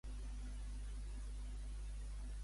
Els morts poden interactuar els uns amb els altres?